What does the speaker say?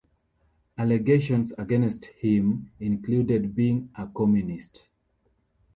Allegations against him included being a "Communist".